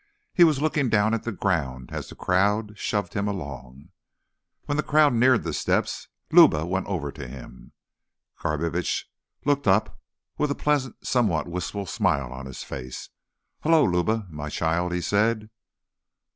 He was looking down at the ground as the crowd shoved him along. When the crowd neared the steps, Luba went over to him. Garbitsch looked up, with a pleasant, somehow wistful smile on his face. "Hello, Luba, my child," he said.